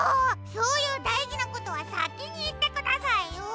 そういうだいじなことはさきにいってくださいよ。